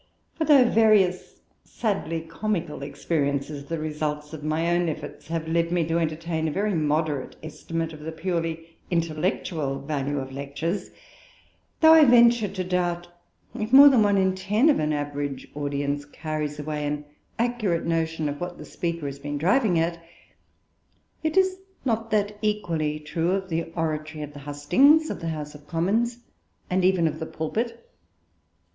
For though various sadly comical experiences of the results of my own efforts have led me to entertain a very moderate estimate of the purely intellectual value of lectures; though I venture to doubt if more than one in ten of an average audience carries away an accurate notion of what the speaker has been driving at; yet is that not equally true of the oratory of the hustings, of the House of Commons, and even of the pulpit?